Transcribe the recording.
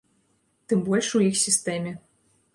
Тым больш у іх сістэме.